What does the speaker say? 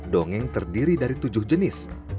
dongeng terdiri dari tujuh jenis